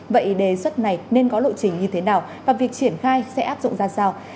vậy đề xuất này nên có lộ trình như thế nào và việc triển khai sẽ áp dụng ra sao